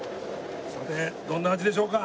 さてどんな味でしょうか？